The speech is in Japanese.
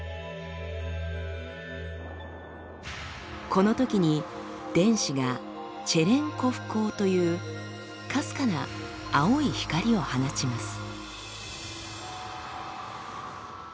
このときに電子が「チェレンコフ光」というかすかな青い光を放ちます。